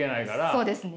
そうですね。